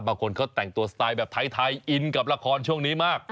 บางคนเขาแต่งตัวสไตล์แบบไทยอินกับละครช่วงนี้มาก